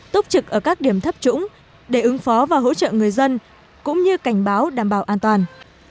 túc trực ở các điểm thấp trũng để ứng phó và hỗ trợ người dân cũng như cảnh báo đảm bảo an toàn